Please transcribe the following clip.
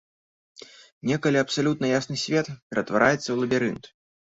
Некалі абсалютна ясны свет ператвараецца ў лабірынт.